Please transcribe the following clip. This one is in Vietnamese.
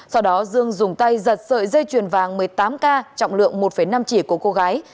sau đó dương dùng tay giật sợi dây chuyền vàng một mươi tám k trọng lượng một năm chỉ của cô gái